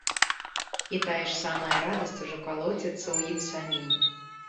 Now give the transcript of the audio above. І тая ж самая радасць ужо калоціцца ў ім самім.